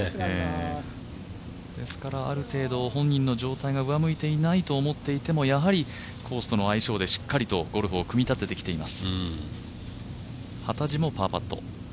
ですからある程度本人の状態が上向いていないと思っていてもやはりコースとの相性でしっかりとゴルフを組み立ててきています。